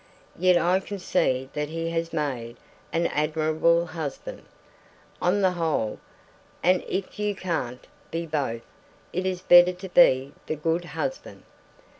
Yet I can see that he has made an admirable husband. On the whole, and if you can't be both, it is better to be the good husband!"